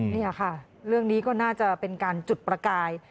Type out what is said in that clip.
นี่ค่ะเรื่องนี้ก็น่าจะเป็นการจุดประกาย